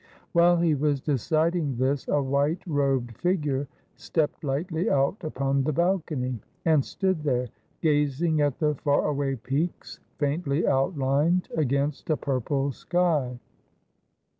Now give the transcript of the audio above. While he was deciding this a white robed figure stepped lightly out upon the balcony, and stood there, gazing at the far away peaks faintly outlined against a purple sky.